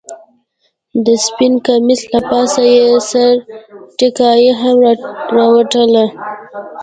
د سپين کميس له پاسه يې سره نيكټايي هم راوتړله.